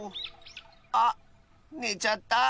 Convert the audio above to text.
あねちゃったあ。